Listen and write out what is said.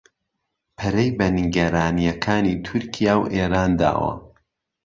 پەرەی بە نیگەرانییەکانی تورکیا و ئێران داوە